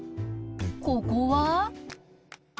ここは？